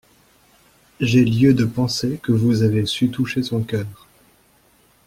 J'ai lieu de penser que vous avez su toucher son cœur.